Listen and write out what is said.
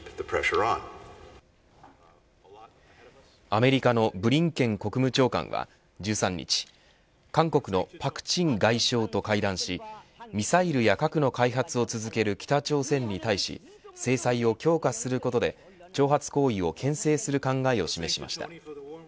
アメリカのブリンケン国務長官は１３日、韓国の朴振外相と会談しミサイルや核の開発を続ける北朝鮮に対し制裁を強化することで挑発行為をけん制する考えを示しました。